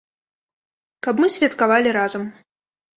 Каб мы святкавалі разам.